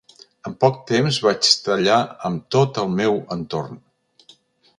En poc temps vaig tallar amb tot el meu entorn.